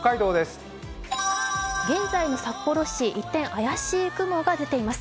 現在の札幌市、一転怪しい雲が出ています。